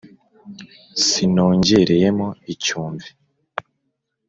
Sinongereyemo icyumvi